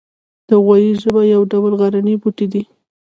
د غویي ژبه یو ډول غرنی بوټی دی